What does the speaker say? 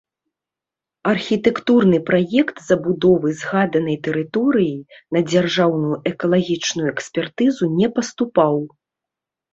Архітэктурны праект забудовы згаданай тэрыторыі на дзяржаўную экалагічную экспертызу не паступаў.